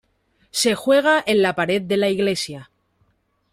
Se juega en la pared de la iglesia.